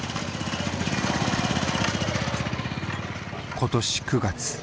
今年９月。